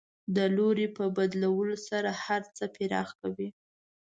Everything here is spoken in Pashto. د لوري په بدلولو سره هر څه پراخ کوي.